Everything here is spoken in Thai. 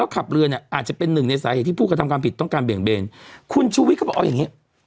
คุณชุวิทย์ก็บอกอย่างนี้